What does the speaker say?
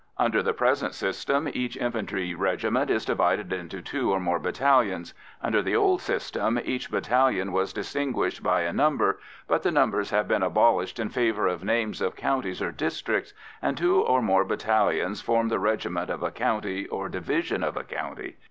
Under the present system, each infantry regiment is divided into two or more battalions. Under the old system, each battalion was distinguished by a number, but the numbers have been abolished in favour of names of counties or districts, and two or more battalions form the regiment of a county or division of a county.